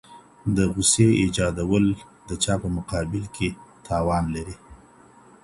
د غصې ايجادول د چا په مقابل کي تاوان لري؟